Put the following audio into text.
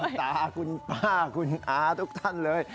คุณตาคุณป้าคุณอาทุกท่านเลย